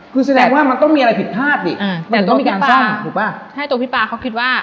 คือแสดงว่ามันต้องมีอะไรผิดภาพดิแต่ตัวพี่ปลาเขาคิดว่า